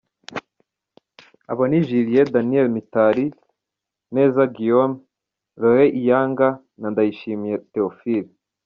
Abo ni Julien Daniel Mitali , Neza Guillaine , Laure Iyaga na Ndayishimye Theophile .